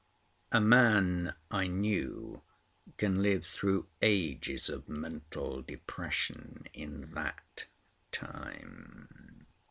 A man, I knew, can live through ages of mental depression in that time.